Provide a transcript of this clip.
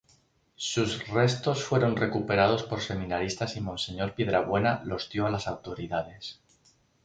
Sus restos fueron recuperados por seminaristas y monseñor Piedrabuena los dio a las autoridades.